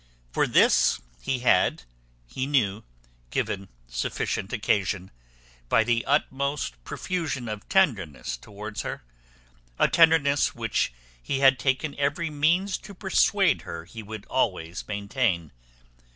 For this he had, he knew, given sufficient occasion, by the utmost profusion of tenderness towards her: a tenderness which he had taken every means to persuade her he would always maintain.